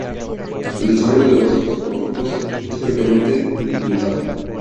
El desarrollo del esporófito es teóricamente ilimitado.